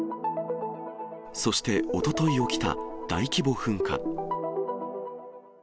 そしておととい起きた大規模噴火。